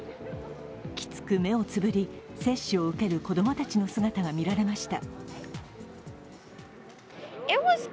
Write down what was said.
きくつ目をつぶり接種を受ける子どもたちの姿が見られました。